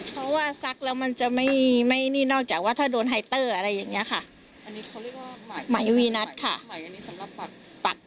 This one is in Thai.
เพราะว่าซักแล้วมันจะไม่นอกจากว่าถ้าโดนไฮเตอร์อะไรอย่างนี้ค่ะไหมวีนัสค่ะไหมอันนี้สำหรับปัก